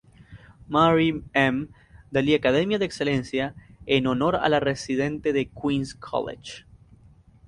Marie M. Daly Academia de Excelencia" en honor a la residente de Queens College.